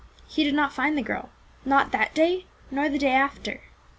Me did not find the girl, that day nor yet the da\ after.